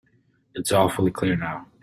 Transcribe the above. It's awfully clear now.